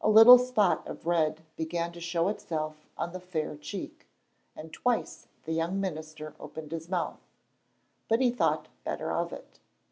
A little spot of red began to show itself on the fair cheek, and twice the young minister opened his mouth. But he thought better of it.